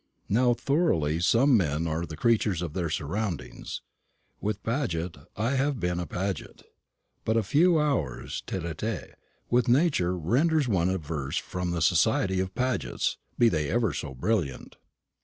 How thoroughly some men are the creatures of their surroundings! With Paget I have been a Paget. But a few hours tête à tête with Nature renders one averse from the society of Pagets, be they never so brilliant."